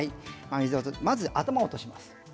まずは頭を落とします。